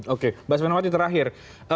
oke bahas peneliti terakhir